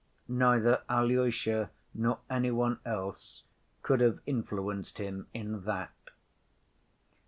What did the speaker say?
Neither Alyosha nor any one else could have influenced him in that.